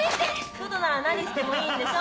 外なら何してもいいんでしょ？